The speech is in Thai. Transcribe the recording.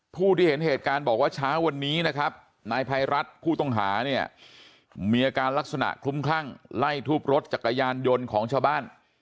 ผู้ที่เห็นเหตุการณ์บอกว่าเช้าวันนี้นะครับนายภัยรัฐผู้ต้องหาเนี่ยมีอาการลักษณะคลุ้มคลั่งไล่ทุบรถจักรยานยนต์ของชาวบ้าน